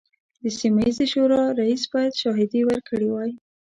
د سیمه ییزې شورا رئیس باید شاهدې ورکړي وای.